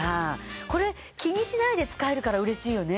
これ気にしないで使えるから嬉しいよね。